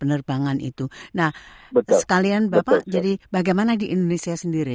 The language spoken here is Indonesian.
nah sekalian bapak bagaimana di indonesia sendiri